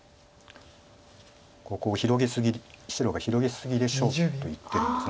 ここを白が広げ過ぎでしょうと言ってるんです。